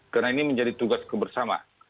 karena ini menjadi tugas kebersama